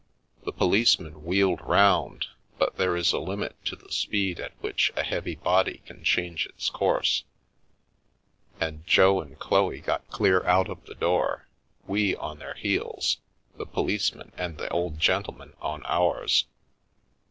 The po liceman wheeled round, but there is a limit to the speed at which a heavy body can change its course, and Jo and Chloe got clear out of the door, we on their heels, the policeman and the old gentleman on ours.